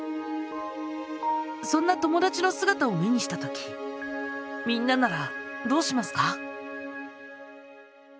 そんな友だちのすがたを目にしたときみんなならどうしますか？